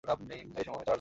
এই সময়ে চার্জ গেল!